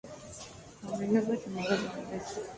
A menudo es llamado el "mar de Baviera".